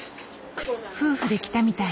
夫婦で来たみたい。